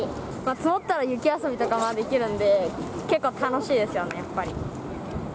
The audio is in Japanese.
積もったら雪遊びとかもできるので、結構楽しいですよね、やっぱり。